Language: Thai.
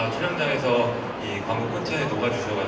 อ๋อจงม่าล์กี้ก็มานึงบุญก็เหมือนกัน